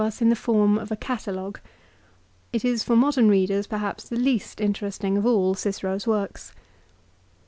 us in the form of a catalogue. It is for modern readers perhaps the least interesting of all Cicero's works.